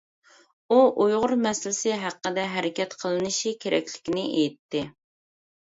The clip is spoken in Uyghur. ئۇ ئۇيغۇر مەسىلىسى ھەققىدە ھەرىكەت قىلىنىشى كېرەكلىكىنى ئېيتتى.